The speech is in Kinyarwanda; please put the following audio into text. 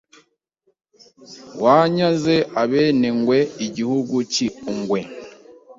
wanyaze Abenengwe igihugu k’i ungwe